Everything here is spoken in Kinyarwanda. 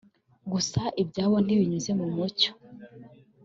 Gusa ibyayo ntibinyuze mu mucyo